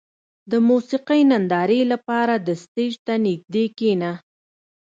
• د موسیقۍ نندارې لپاره د سټېج ته نږدې کښېنه.